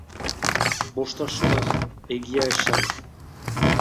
Bost axola, egia esan.